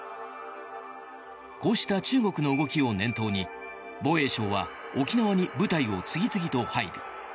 こうした中国の動きを念頭に防衛省は沖縄に部隊を次々と配備。